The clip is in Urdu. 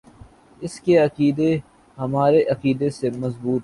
اس کا عقیدہ ہمارے عقیدے سے مضبوط ہو